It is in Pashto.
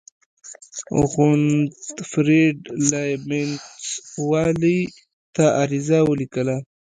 غوتفریډ لایبینټس والي ته عریضه ولیکله.